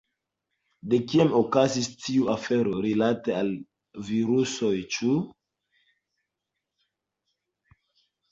De kiam okazis tiu afero rilate al virusoj, ĉu?